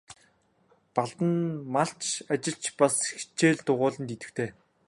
Балдан нь малч, ажилч, бас хичээл дугуйланд идэвхтэй.